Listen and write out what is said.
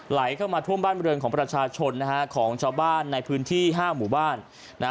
ไหลเข้ามาท่วมบ้านบริเวณของประชาชนนะฮะของชาวบ้านในพื้นที่ห้าหมู่บ้านนะฮะ